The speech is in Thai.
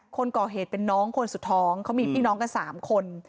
คนก่อเหตุเป็นน้องคนสุดท้องเขามีพี่น้องกัน๓คน